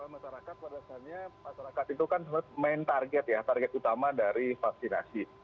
masyarakat pada saatnya masyarakat itu kan sebenarnya main target ya target utama dari vaksinasi